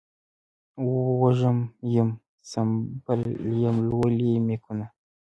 وږم یم ، سنبل یمه لولی مې کنه